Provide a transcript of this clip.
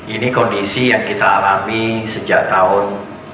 ini kondisi yang kita alami sejak tahun dua ribu